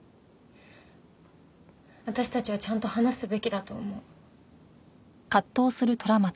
私たちはちゃんと話すべきだと思う。